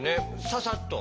ササッと。